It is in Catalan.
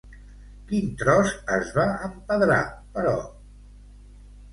Quin tros es va empedrar, però?